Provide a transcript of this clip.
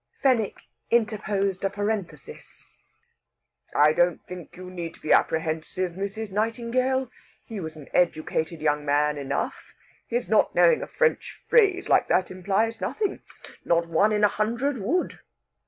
Fenwick interposed a parenthesis. "I don't think you need to be apprehensive, Mrs. Nightingale. He was an educated young man enough. His not knowing a French phrase like that implies nothing. Not one in a hundred would."